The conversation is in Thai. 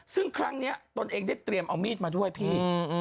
ซึ่งครั้งนี้ตนเองได้เตรียมเอามีดมาด้วยพี่